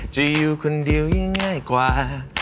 จะอยู่คนเดียวยิ่งง่ายกว่า